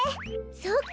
そうか。